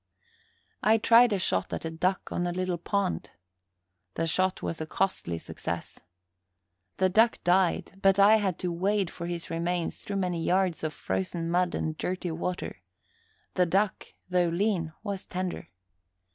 I tried a shot at a duck on a little pond. The shot was a costly success. The duck died, but I had to wade for his remains through many yards of frozen mud and dirty water. The duck, though lean, was tender.